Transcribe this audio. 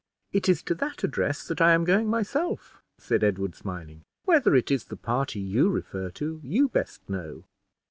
"It is to that address that I am going myself," said Edward, smiling. "Whether it is the party you refer to, you best know."